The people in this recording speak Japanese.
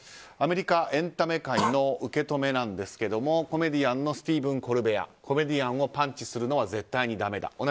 アメリカエンタメ界の受け止めですがコメディアンのスティーブン・コルベアコメディアンをパンチするのは絶対だめだ。